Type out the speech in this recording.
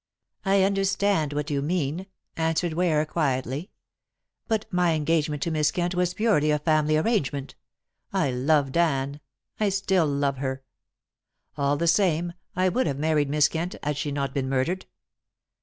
"I understand what you mean," answered Ware quietly, "but my engagement to Miss Kent was purely a family arrangement. I loved Anne I still love her. All the same, I would have married Miss Kent had she not been murdered."